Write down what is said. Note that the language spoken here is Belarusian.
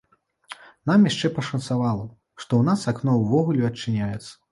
Нам яшчэ пашанцавала, што ў нас акно ўвогуле адчыняецца.